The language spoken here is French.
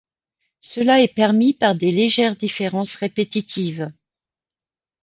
Cela est permis par des légères différences répétitives.